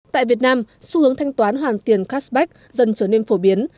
tại việt nam xu hướng thanh toán hoàn tiền cashback dần trở nên phổ biến